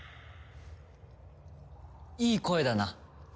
いい声だな。